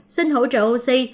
xin hỗ trợ oxy